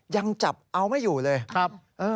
ยังจับเอาไม่อยู่เลยครับ